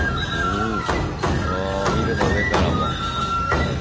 うん。